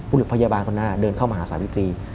บุหรุพยาบาลคนนั้นเดินเข้ามาหาสาวิตี